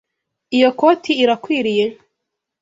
Iyi koti irakwiriye?